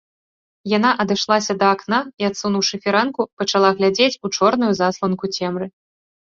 Яна адышлася да акна і, адсунуўшы фіранку, пачала глядзець у чорную засланку цемры.